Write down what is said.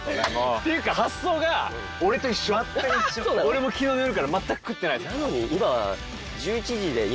俺も昨日の夜から全く食ってない。